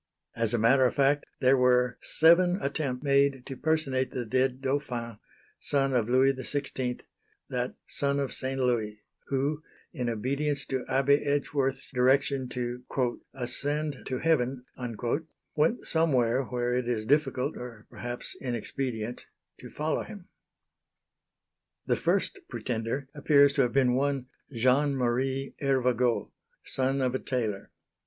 As a matter of fact, there were seven attempts made to personate the dead Dauphin, son of Louis XVI, that "son of St. Louis," who, in obedience to Abbé Edgworth's direction to "ascend to heaven," went somewhere where it is difficult or perhaps inexpedient to follow him. The first pretender appears to have been one Jean Marie Hervagault, son of a tailor.